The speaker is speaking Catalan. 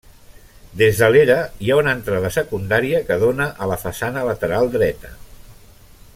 Des de l'era hi ha una entrada secundària que dóna a la façana lateral dreta.